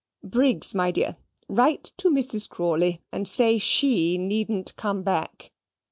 Briggs, my dear, write to Mrs. Crawley, and say SHE needn't come back.